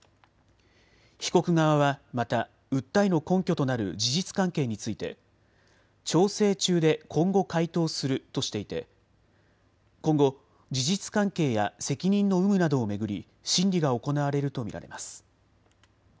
被告側はまた訴えの根拠となる事実関係について調整中で今後回答するとしていて今後、事実関係や責任の有無などを巡り審理が行われると見られます。